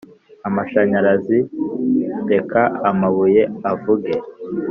amashanyarazi? reka amabuye avuge